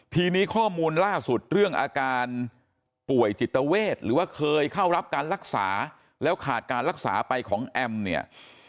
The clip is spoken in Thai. ทีนี้ข้อมูลล่าสุดเรื่องอาการป่วยจิตเวทหรือว่าเคยเข้ารับการรักษาแล้วขาดการรักษาไปของแอมเนี่ย